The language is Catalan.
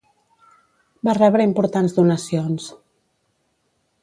Va rebre importants donacions.